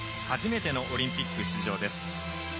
初めてのオリンピック出場です。